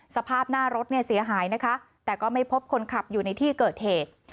สภาพหน้ารถเนี่ยเสียหายนะคะแต่ก็ไม่พบคนขับอยู่ในที่เกิดเหตุ